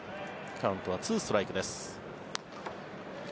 カウントは２ストライクです。